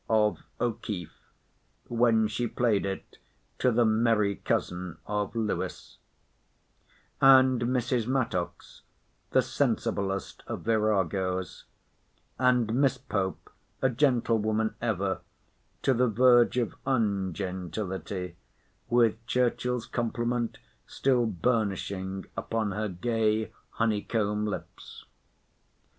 of O'Keefe, when she played it to the "merry cousin" of Lewis—and Mrs. Mattocks, the sensiblest of viragos—and Miss Pope, a gentlewoman ever, to the verge of ungentility, with Churchill's compliment still burnishing upon her gay Honeycomb lips.